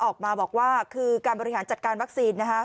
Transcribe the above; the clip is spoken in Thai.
ออกมาบอกว่าคือการบริหารจัดการวัคซีนนะฮะ